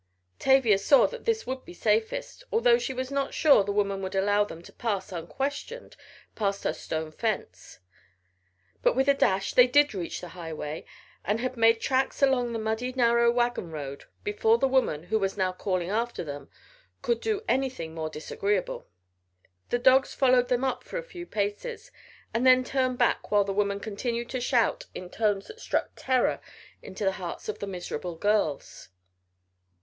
Tavia saw that this would be safest, although she was not sure the woman would allow them to pass unquestioned past her stone fence. But with a dash they did reach the highway and had made tracks along through the muddy narrow wagon road before the woman, who was now calling after them, could do anything more disagreeable. The dogs followed them up for a few paces, and then turned back while the woman continued to shout in tones that struck terror into the hearts of the miserable girls.